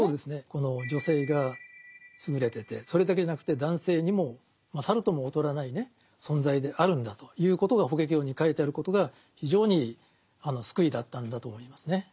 この女性が勝れててそれだけじゃなくて男性にも勝るとも劣らない存在であるんだということが「法華経」に書いてあることが非常に救いだったんだと思いますね。